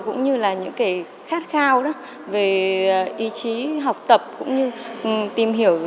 cũng như là những cái khát khao đó về ý chí học tập cũng như tìm hiểu